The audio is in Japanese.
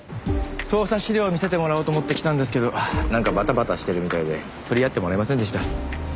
捜査資料を見せてもらおうと思って来たんですけどなんかバタバタしてるみたいで取り合ってもらえませんでした。